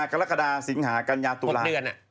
มิถุนากรกฎาสิงหากัญญาตุลาหมดเดือน